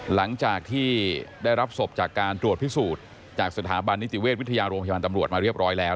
หลังจากที่ได้รับศพจากการตรวจพิสูจน์จากสถาบันนิติเวชวิทยาโรงพยาบาลตำรวจมาเรียบร้อยแล้ว